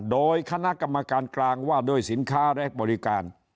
โดยคณะกรรมการกลางว่าด้วยสินค้าและบริการ